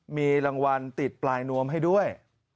มีรางวัลติดปลายนวมให้ด้วย